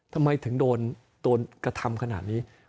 ทำไมถึงโดนกระทำขนาดนี้